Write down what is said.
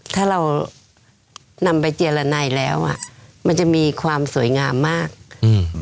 ถ้าเรานำไปเจรนัยแล้วอ่ะมันจะมีความสวยงามมากอืม